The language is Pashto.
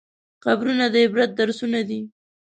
قبرونه د عبرت درسونه دي.